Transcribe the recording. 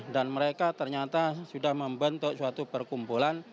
dan mereka ternyata sudah membentuk suatu perkumpulan